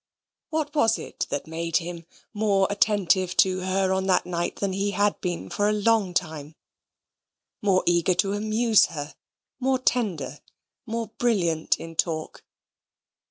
What was it that made him more attentive to her on that night than he had been for a long time more eager to amuse her, more tender, more brilliant in talk?